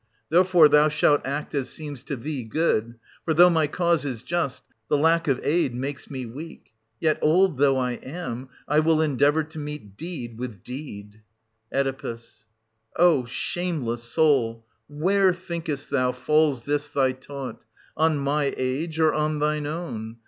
Therefore thou shalt act as seems to thee good ; for, though my cause is just, the lack of aid makes me weak : yet, old though I am, I will endeavour to meet deed with deed 960 Oe. O shameless soul, where, thinkest thou, falls this thy taunt, — on my age, or on thine own